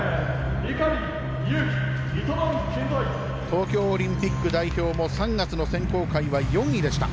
東京オリンピック代表も３月の選考会は４位でした。